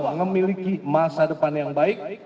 memiliki masa depan yang baik